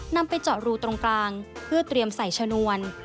นำไปเจาะรูตรงกลางเพื่อเตรียมใส่ชนวน